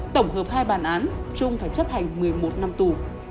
tổng hợp hai bản án trung phải chấp hành một mươi một năm tù